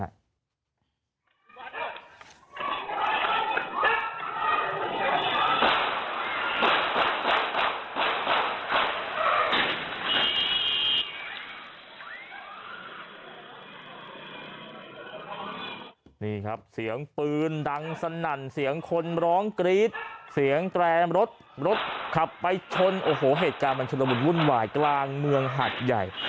นี่ครับเสียงปืนดังสนั่นเสียงคนร้องกรี๊ดเสียงแกรมรถรถขับไปชนโอ้โหเหตุการณ์มันชุดละมุนวุ่นวายกลางเมืองหัดใหญ่